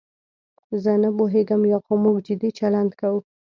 زه نه پوهېږم یا خو موږ جدي چلند کوو.